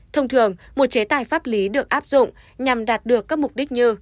thông thường một chế tài pháp lý được áp dụng nhằm đạt được các mục đích như